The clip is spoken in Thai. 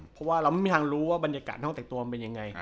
เพราะว่าเราไม่มีทางรู้ว่าบรรยากาศห้องแต่งตัวมันเป็นยังไง